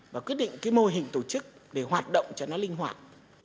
và quyết định cái mô hình tổ chức để hoạt động cho nó linh hoạt